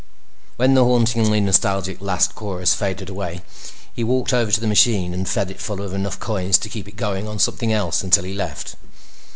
_ When the hauntingly nostalgic last chorus faded away, he walked over to the machine and fed it full of enough coins to keep it going on something else until he left.